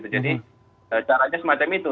jadi caranya semacam itu